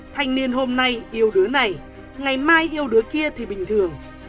thanh niên hôm nay yêu đứa này ngày mai yêu đứa kia thì bình thường